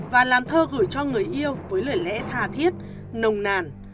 và làm thơ gửi cho người yêu với lời lẽ thà thiết nồng nàn